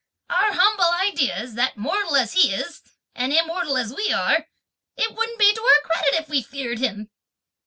our humble idea is that mortal as he is, and immortal as we are, it wouldn't be to our credit if we feared him!"